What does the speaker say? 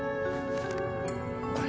これ。